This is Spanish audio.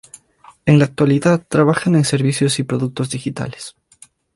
En la actualidad trabaja en servicios y productos digitales.